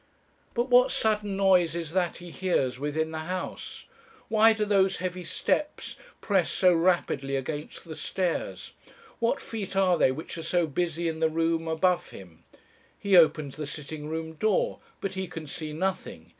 "But what sudden noise is that he hears within the house? Why do those heavy steps press so rapidly against the stairs? What feet are they which are so busy in the room above him? He opens the sitting room door, but he can see nothing.